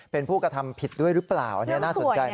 เป็นผู้กระทำผิดด้วยหรือเปล่าอันนี้น่าสนใจนะ